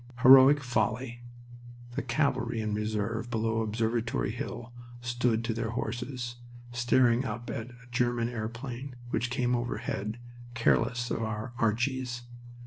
Heroic folly! The cavalry in reserve below Observatory Hill stood to their horses, staring up at a German airplane which came overhead, careless of our "Archies."